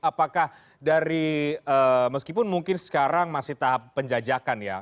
apakah dari meskipun mungkin sekarang masih tahap penjajakan ya